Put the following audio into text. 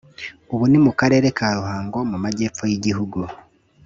ubu ni mu karere ka Ruhango mu majyepfo y’Igihugu